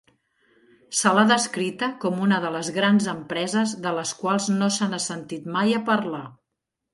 Se l'ha descrita com una de les grans empreses de les quals no se n'ha sentit mai a parlar.